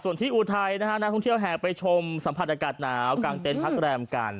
ส่วนที่อุทัยนะฮะนักท่องเที่ยวแห่ไปชมสัมผัสอากาศหนาวกลางเต็นต์พักแรมกัน